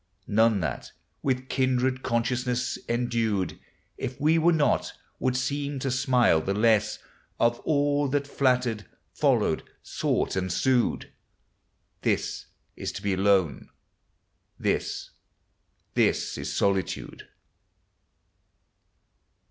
None that, with kindred consciousness endued, If we were not, would seem to smile the less Of all that flattered, followed, sought, and sued; This is to be alone; this, this is solitude!